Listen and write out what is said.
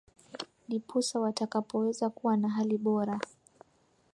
diposa watakapoweza kuwa na hali bora